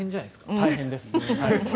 大変です。